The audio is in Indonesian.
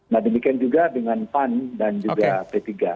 nah demikian juga dengan pan dan juga p tiga